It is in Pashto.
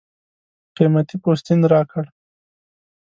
قېمتي پوستین راکړ.